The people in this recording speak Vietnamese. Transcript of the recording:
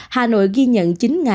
hà nội ghi nhận chín sáu trăm linh